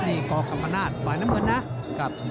นี่ก่อกลับมานานปล่อยน้ำเมิดนะครับ